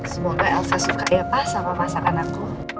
semoga elsa suka ya pas sama masakan aku